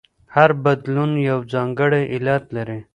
هر بدلون یو ځانګړی علت لري.